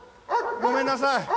ごめんなさい。